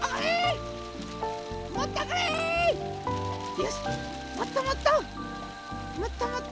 よしもっともっと！